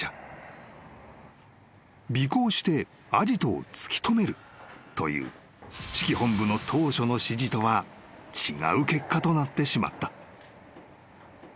［尾行してアジトを突き止めるという指揮本部の当初の指示とは違う結果となってしまった］